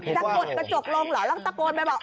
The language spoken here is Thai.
กดกระจกลงเหรอแล้วก็ตะโกนไปบอก